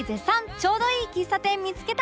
ちょうどいい喫茶店見つけた！